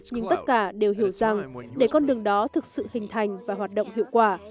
nhưng tất cả đều hiểu rằng để con đường đó thực sự hình thành và hoạt động hiệu quả